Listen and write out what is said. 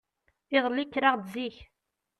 Iḍelli kkreɣ-d zik.